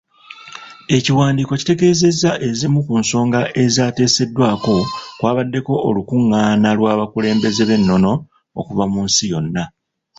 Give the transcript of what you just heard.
Ekiwandiiko kitegeezezza ezimu ku nsonga ezaateeseddwako kwabaddeko olukungaana lw'abakulembeze b'ennono okuva mu nsi yonna.